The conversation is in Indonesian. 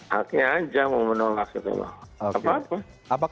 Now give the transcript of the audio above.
haknya aja mau menolak